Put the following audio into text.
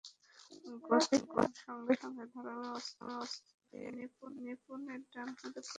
গতি কমার সঙ্গে সঙ্গে ধারালো অস্ত্র দিয়ে নিপুণের ডান হাতে কোপ দেয়।